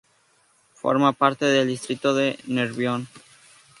Forma parte del distrito de Nervión.